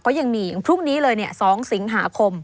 ก็ยังมีอย่างพรุ่งนี้เลย๒สิงหาคม